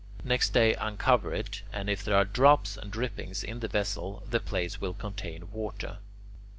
Next day uncover it, and if there are drops and drippings in the vessel, the place will contain water.